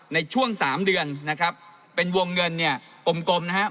ในช่วงสามเดือนนะครับเป็นวงเงินเนี่ยกลมกลมนะครับ